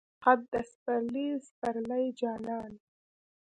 قد د سپرلی، سپرلی جانان